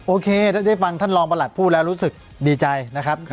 โอเคถ้าได้ฟังท่านรองประหลัดพูดแล้วรู้สึกดีใจนะครับ